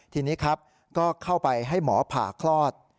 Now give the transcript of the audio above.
ทีนี้ครับก็เข้าไปให้หมอผ่าคลอด